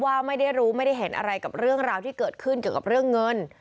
ว่าไม่ได้รู้ไม่ได้เห็นอะไรกับเรื่องราวที่เกิดขึ้นเกี่ยวกับเรื่องเงิน